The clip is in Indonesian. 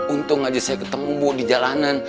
untung aja saya ketemu di jalanan